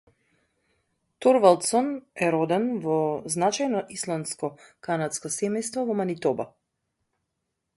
Thorvaldson was born to a notable Icelandic Canadian family in Manitoba.